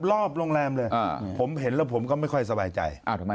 รอบโรงแรมเลยผมเห็นแล้วผมก็ไม่ค่อยสบายใจ